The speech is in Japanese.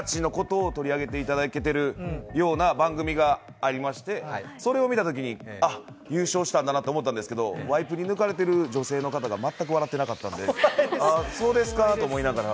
テレビをつけたときに自分たちのことを取り上げていただいてる番組がありまして、それを見たときに、優勝したんだなと思ったんですけどワイプに抜かれてる女性の方が全く笑ってなかったんでああそうですかと思いながら。